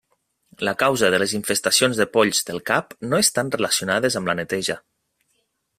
La causa de les infestacions de polls del cap no estan relacionades amb la neteja.